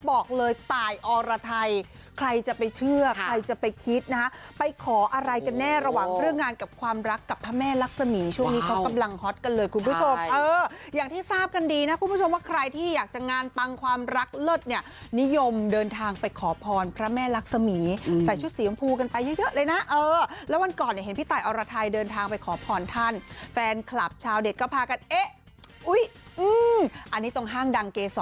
บอกเลยต่ายอรทัยใครจะไปเชื่อใครจะไปคิดนะฮะไปขออะไรกันแน่ระหว่างเรื่องงานกับความรักกับพระแม่รักษมีย์ช่วงนี้เขากำลังฮอตกันเลยคุณผู้ชมเอออย่างที่ทราบกันดีนะคุณผู้ชมว่าใครที่อยากจะงานปังความรักเลิศเนี่ยนิยมเดินทางไปขอพรพระแม่รักษมีย์ใส่ชุดสีบางพูกันไปเยอะเลยนะเออแล้ววันก่อนเนี่ยเห็